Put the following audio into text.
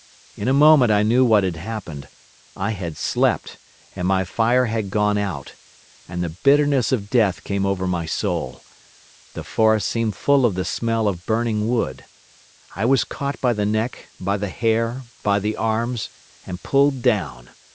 In a moment I knew what had happened. I had slept, and my fire had gone out, and the bitterness of death came over my soul. The forest seemed full of the smell of burning wood. I was caught by the neck, by the hair, by the arms, and pulled down.